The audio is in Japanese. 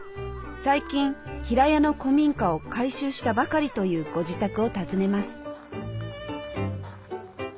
最近平屋の古民家を改修したばかりというご自宅を訪ねます。